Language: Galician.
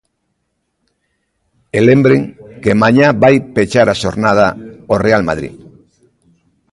E lembren que mañá vai pechar a xornada o Real Madrid.